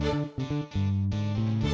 canggih juga cewek itu jo